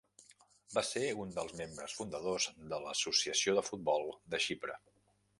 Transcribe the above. Va ser un dels membres fundadors de l'Associació de Futbol de Xipre.